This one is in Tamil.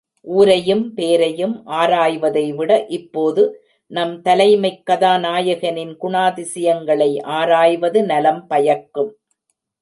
ஊரையும் பேரையும் ஆராய்வதை விட, இப்போது, நம் தலைமைக் கதாநாயகனின் குணாதியங்களை ஆராய்வது நலம் பயக்கும்.